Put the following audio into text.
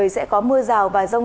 sẽ có mưa rào và rông